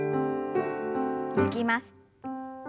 抜きます。